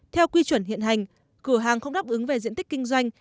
theo quy chuẩn hiện hành cửa hàng không đáp ứng về diện tích kinh doanh